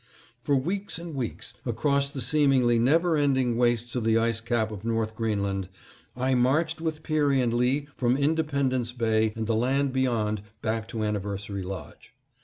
For weeks and weeks, across the seemingly never ending wastes of the ice cap of North Greenland, I marched with Peary and Lee from Independence Bay and the land beyond back to Anniversary Lodge.